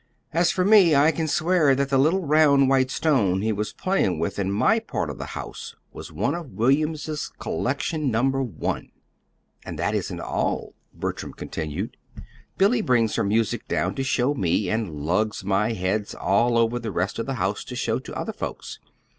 As for me, I can swear that the little round white stone he was playing with in my part of the house was one of William's Collection Number One. "And that isn't all," Bertram continued. "Billy brings her music down to show to me, and lugs my heads all over the rest of the house to show to other folks.